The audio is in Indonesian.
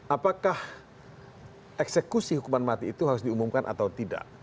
apakah eksekusi hukuman mati itu harus diumumkan atau tidak